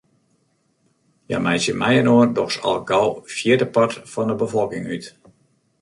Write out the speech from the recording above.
Hja meitsje mei-inoar dochs al gau in fjirdepart fan 'e befolking út.